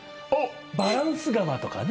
バランス釜とかね。